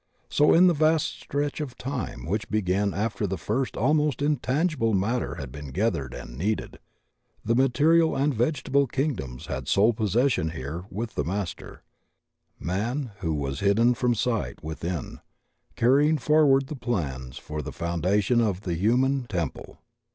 So in the vast stretch of time which began after the first almost intangible matter had been gathered and kneaded, the material and vegetable kingdoms had sole possession here with the Master — man — ^who was hidden from sight within, carrying for ward the plans for the foundations of the human tem ple.